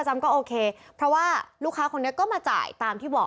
ไม่มาจ่ายสักที